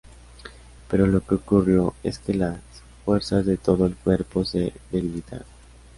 Pero lo que ocurrió es que las fuerzas de todo el cuerpo se debilitaron.